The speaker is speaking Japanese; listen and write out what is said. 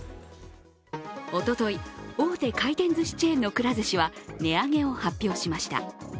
おととい、大手回転ずしチェーンのくら寿司は値上げを発表しました。